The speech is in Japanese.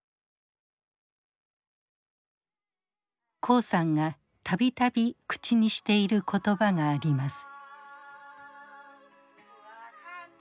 黄さんが度々口にしている言葉があります。